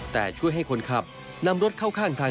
แต่ช่วยให้คนขับนำรถเข้าข้างทาง